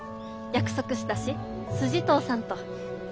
約束したし筋通さんと。